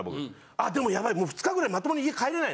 あでもヤバい２日ぐらいまともに家帰れない。